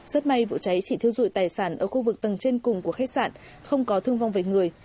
rất may vụ cháy chỉ thiêu dụi tài sản ở khu vực tầng trên cùng của khách sạn không có thương vong về người